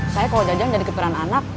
saya mau jajan jadi kepikiran anak